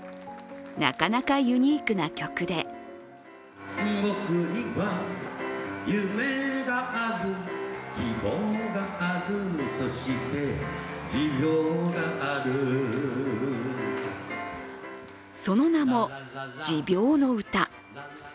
なかなかユニークな曲でその名も「持病の歌」。